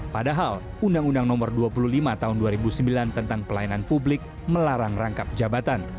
padahal undang undang nomor dua puluh lima tahun dua ribu sembilan tentang pelayanan publik melarang rangkap jabatan